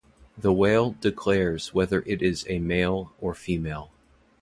The whale declares whether it is a male or a female.